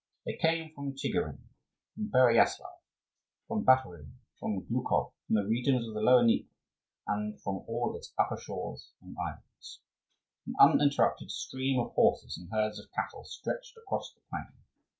They came from Tchigirin, from Pereyaslaf, from Baturin, from Glukhof, from the regions of the lower Dnieper, and from all its upper shores and islands. An uninterrupted stream of horses and herds of cattle stretched across the plain.